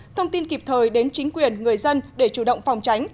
thông tin kịp thời đến chính quyền người dân để chủ động phòng tránh